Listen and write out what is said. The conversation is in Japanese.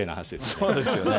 そうですよね。